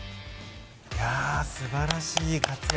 素晴らしい活躍！